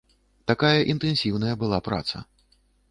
Такая інтэнсіўная была праца.